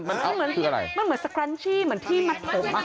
มันเหมือนสกรันชี่เหมือนที่มัดผมค่ะ